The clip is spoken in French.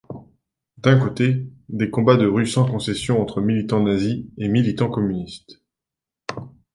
D'un côté, des combats de rue sans concession entre militants nazis et militants communistes.